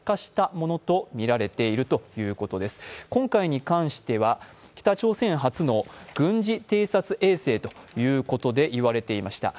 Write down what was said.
今回の関しては、北朝鮮初の軍事偵察衛星ということでいわれていました。